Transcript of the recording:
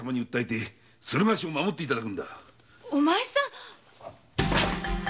お前さん！？